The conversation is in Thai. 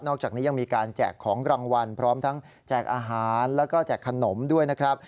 จากนี้ยังมีการแจกของรางวัลพร้อมทั้งแจกอาหารแล้วก็แจกขนมด้วยนะครับ